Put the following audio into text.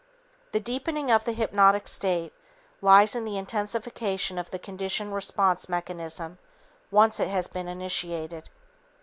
The deepening of the hypnotic state lies in the intensification of the conditioned response mechanism once it has been initiated.